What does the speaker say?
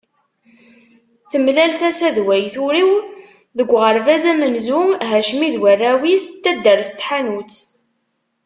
Temlal tasa d way turew deg uɣerbaz amenzu Hacmi d warraw-is n taddart n Tḥanut.